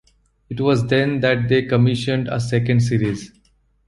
It was then that they commissioned a second series.